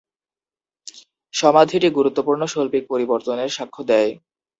সমাধিটি গুরুত্বপূর্ণ শৈল্পিক পরিবর্তনের সাক্ষ্য দেয়।